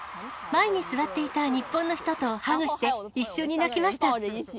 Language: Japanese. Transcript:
前に座っていた日本の人とハグして一緒に泣きました。